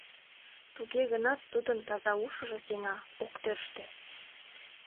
Туге гынат тудын таза ушыжо сеҥа, ок тӧрштӧ.